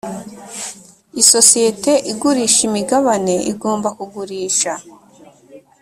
isosiyete igurisha imigabane igomba kugurisha.